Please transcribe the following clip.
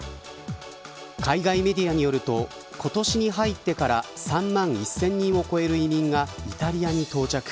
海外メディアによると今年に入ってから３万１０００人を超える移民がイタリアに到着。